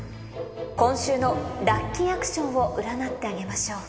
今週のラッキーアクションを占ってあげましょう。